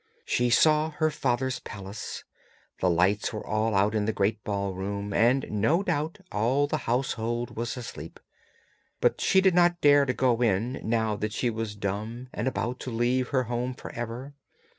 She saw her father's palace; the lights were all out in the great ballroom, and no doubt all the household was asleep, but she did not dare to go in now that she was dumb and about to leave her home for ever.